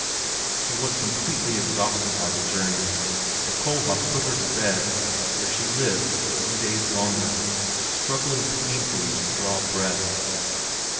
She was completely exhausted by the journey and Kohlhaas put her to bed, where she lived a few days longer, struggling painfully to draw breath.